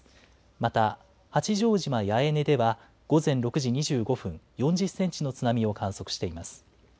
また、八丈島八重根では午前６時２５分、４０センチの津波を観測しています。